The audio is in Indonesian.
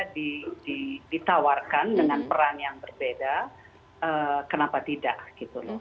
ditawarkan dengan peran yang berbeda kenapa tidak gitu loh